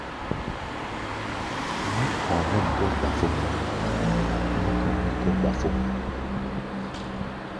Mí kɔ̧ɔ̧ nɛ́ gɔ̧́ gbafón.